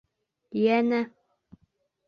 Йәнә: